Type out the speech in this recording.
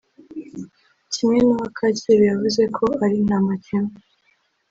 ” Kimwe n’uwa Kacyiru yavuze ko ari “ntamakemwa